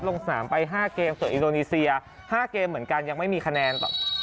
ลงสนามไป๕เกมส่วนอินโดนีเซีย๕เกมเหมือนกันยังไม่มีคะแนนแบบ